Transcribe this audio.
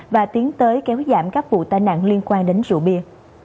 và tiến tới kéo giảm các vụ tai nạn liên quan đến rượu bia